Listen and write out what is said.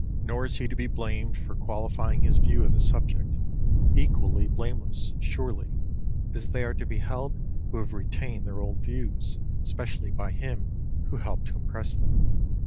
Nor is he to be blamed for qualifying his view of the subject, equally blameless (surely) as they are to be held who have retained their old views, especially by him who helped to impress them.